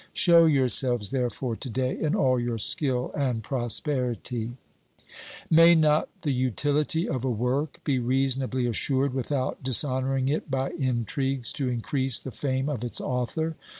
Show yourselves, therefore, to day in all your skill and prosperity. 394 OBERMANN May not the utility of a work be reasonably assured without dishonouring it by intrigues to increase the fame of its author?